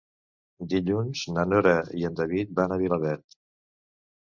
Dilluns na Nora i en David van a Vilaverd.